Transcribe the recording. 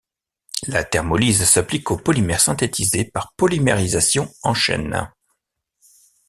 La thermolyse s’applique aux polymères synthétisés par polymérisation en chaîne.